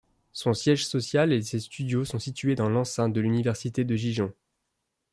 Son siège social et ses studios sont situés dans l'enceinte de l'université de Gijón.